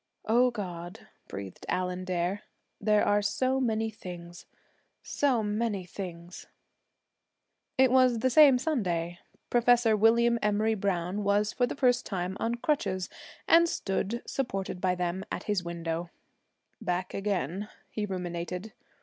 'O God!' breathed Allan Dare, 'there are so many things so many things!' It was the same Sunday. Professor William Emory Browne was for the first time on crutches, and stood supported by them at his window. 'Back again,' he ruminated.